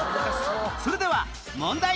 それでは問題